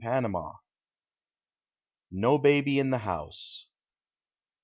DARKER. NO BABY IN THE HOUSE.